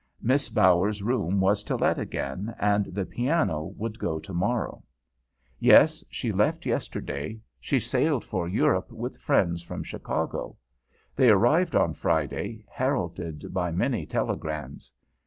Miss Bower's room was to let again, and the piano would go tomorrow. Yes, she left yesterday, she sailed for Europe with friends from Chicago. They arrived on Friday, heralded by many telegrams.